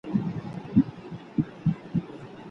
صبر د ښوونکي ترټولو لوی صفت دی.